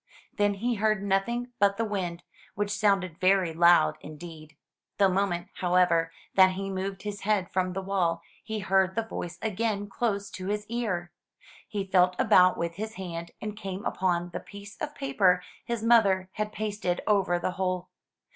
Then he heard nothing but the wind, which sounded very loud indeed. The moment, however, 423 M Y BOOK HOUSE J^^ that he moved his head from the wall, he heard the voice again close to his ear. He felt about with his hand, and came upon the piece of paper his mother had pasted over the hole.